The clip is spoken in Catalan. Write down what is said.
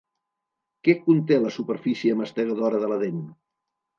Què conté la superfície mastegadora de la dent?